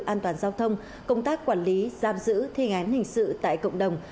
an toàn giao thông công tác quản lý giam giữ thi án hình sự tại cộng đồng